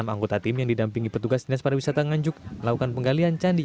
enam anggota tim yang didampingi petugas dinas pariwisata nganjuk melakukan penggalian candi